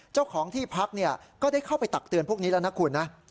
เจ้าของที่พักก็ได้เข้าไปตักเตือนพวกนี้แล้วนะคุณนะ